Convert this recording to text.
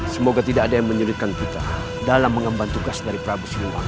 semoga tidak ada yang menyulitkan kita dalam mengamban tugas dari prabu suleiman